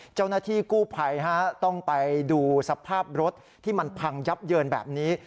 เจ้าหน้าที่กู้ภัยต้องไปดูสภาพรถที่มันพังยับเยินแบบนี้